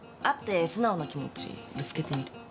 会って素直な気持ちぶつけてみる。